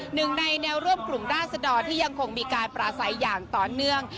หนึ่งในแนวร่วมกลุ่มราศดรที่ยังคงมีการปราศัยอย่างต่อเนื่อง